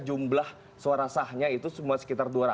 jumlah suara sahnya itu semua sekitar dua ratus